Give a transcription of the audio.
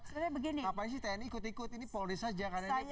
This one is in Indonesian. ngapain sih tni ikut ikut ini polri saja